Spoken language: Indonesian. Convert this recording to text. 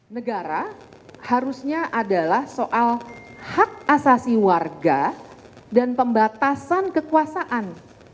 negara harusnya adalah soal hak asasi warga dan pembatasan kekuasaan